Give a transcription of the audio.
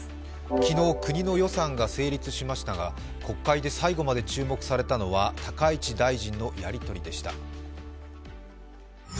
昨日、国の予算が成立しましたが国会で最後まで注目されたのは高市大臣のやりとりでした。